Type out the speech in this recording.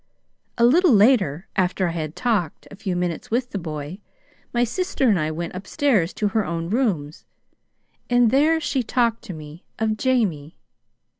A little later, after I had talked a few minutes with the boy, my sister and I went up stairs to her own rooms; and there she talked to me of Jamie.